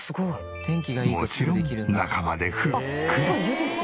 もちろん中までふっくら。